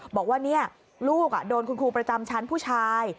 บอกว่าลูกโดนคุณครูประจำชั้นผู้ชาย